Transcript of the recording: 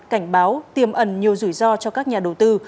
cảnh báo tiềm ẩn nhiều rủi ro cho các nhà đầu tư